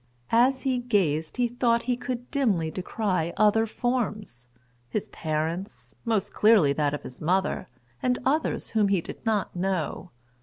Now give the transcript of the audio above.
As he gazed he thought that he could dimly descry other forms—his parents, most clearly that of his mother, and others whom he did not know.